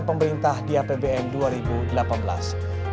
yang diperoleh oleh pemerintah di apbn dua ribu delapan belas